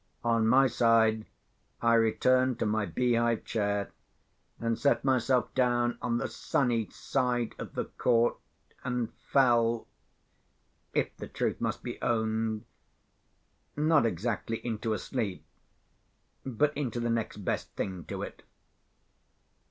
On my side, I returned to my beehive chair, and set myself down on the sunny side of the court, and fell (if the truth must be owned), not exactly into a sleep, but into the next best thing to it.